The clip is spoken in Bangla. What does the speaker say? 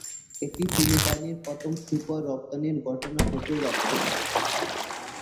এটি ফিলিপাইনের প্রথম শূকর রপ্তানির ঘটনা হতে যাচ্ছিল।